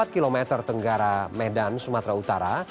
satu ratus sembilan puluh empat km tenggara medan sumatera utara